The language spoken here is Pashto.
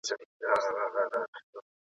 شمع یم یوه شپه په تیاره کي ځلېدلی یم !.